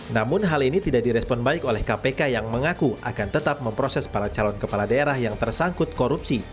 namun hal ini tidak direspon baik oleh kpk yang mengaku akan tetap memproses para calon kepala daerah yang tersangkut korupsi